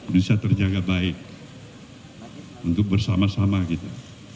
bisa terjaga baik untuk bersama sama gitu